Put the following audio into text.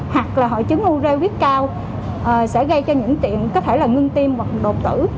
hoặc là hội chứng u reo viết cao sẽ gây cho những chuyện có thể là ngưng tim hoặc đột tử